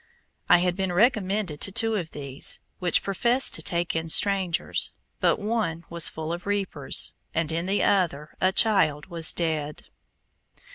I had been recommended to two of these, which professed to take in strangers, but one was full of reapers, and in the other a child was dead.